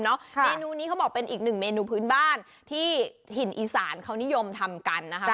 เมนูนี้เขาบอกเป็นอีกหนึ่งเมนูพื้นบ้านที่ถิ่นอีสานเขานิยมทำกันนะคะ